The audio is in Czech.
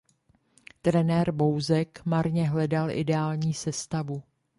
Trenér Bouzek marně hledal ideální sestavu.